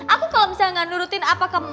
aku kalo misalnya gak nurutin apa kemauan